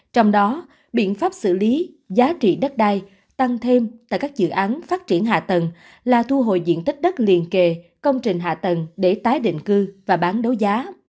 trong đó biện pháp xử lý giá trị đất đai tăng thêm tại các dự án phát triển hạ tầng là thu hồi diện tích đất liền kề công trình hạ tầng để tái định cư và bán đấu giá